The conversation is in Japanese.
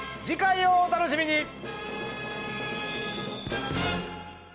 次回をお楽しみに！